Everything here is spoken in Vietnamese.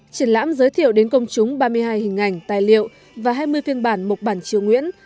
triển lãm giới thiệu đến công chúng ba mươi hai hình ảnh tài liệu và hai mươi phiên bản mục bản triều nguyễn